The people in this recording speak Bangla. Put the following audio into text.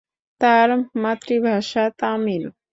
তাঁর মাতৃভাষা তামিল।